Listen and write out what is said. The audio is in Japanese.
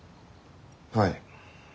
はい。